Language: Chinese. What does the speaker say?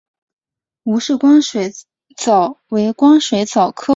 吴氏光水蚤为光水蚤科光水蚤属下的一个种。